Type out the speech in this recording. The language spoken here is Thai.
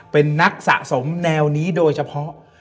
เป็นนักสะสมแนวนี้โดยเฉพาะ